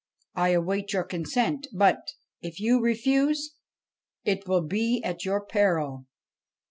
I await your consent, but, if you refuse, it will be at your peril.'